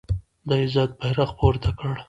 د عزت بیرغ پورته کړ